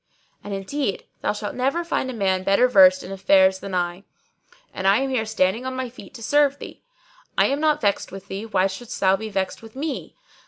And indeed thou shalt never find a man better versed in affairs than I, and I am here standing on my feet to serve thee. I am not vexed with thee: why shouldest thou be vexed with me?